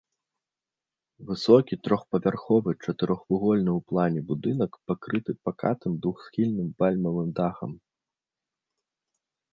Высокі трохпавярховы чатырохвугольны ў плане будынак пакрыты пакатым двухсхільным вальмавым дахам.